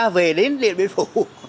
về đến điện biên phủ